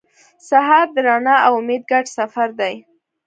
سهار د رڼا او امید ګډ سفر دی.